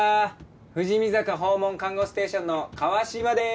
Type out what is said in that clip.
富士見坂訪問看護ステーションの川島です！